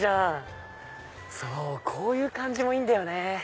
こういう感じもいいんだよね。